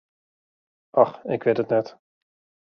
Och, ik wit it net.